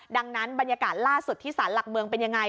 ดังนั้นบรรยากาศล่าสุดที่สารหลักเมืองเป็นยังไง